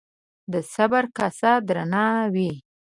د صبر کاسه درانه وي